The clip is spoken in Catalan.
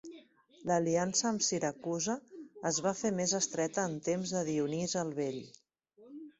L'aliança amb Siracusa es va fer més estreta en temps de Dionís el Vell.